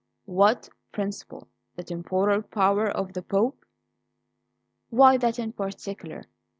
"What principle? The temporal power of the Pope?" "Why that in particular?